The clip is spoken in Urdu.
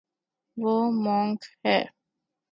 وہ مونک ہے